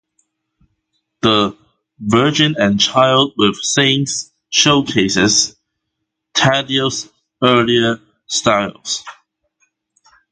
The "Virgin and Child With Saints" showcases Taddeo's earlier style.